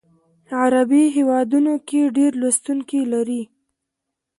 عربي هیوادونو کې ډیر لوستونکي لري.